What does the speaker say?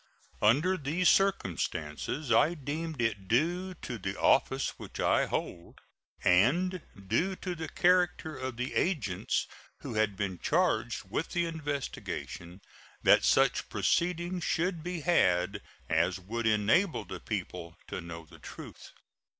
Under these circumstances I deemed it due to the office which I hold and due to the character of the agents who had been charged with the investigation that such proceedings should be had as would enable the people to know the truth.